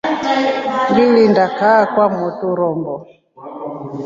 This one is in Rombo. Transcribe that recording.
Ngilinda kaa kwa mwotru rombo.